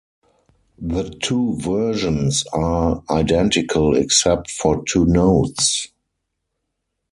The two versions are identical except for two notes.